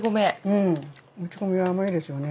うんもち米は甘いですよね。